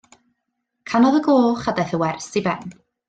Canodd y gloch a daeth y wers i ben.